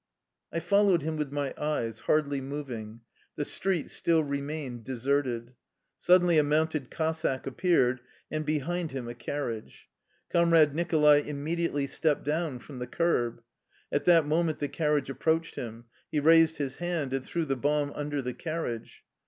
I followed him with my eyes, hardly moving. The street still remained deserted. Suddenly a mounted Cossack appeared, and behind him a carriage. Comrade Nicholai immediately stepped down from the curb. At that moment the carriage approached him. He raised his hand, and threw the bomb under the carriage.